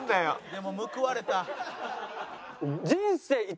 でも報われた。